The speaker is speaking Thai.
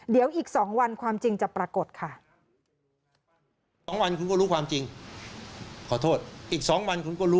เดี๋ยวอีก๒วันความจริงจะปรากฏค่ะ